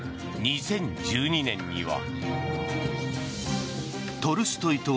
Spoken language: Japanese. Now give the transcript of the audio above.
２０１２年には。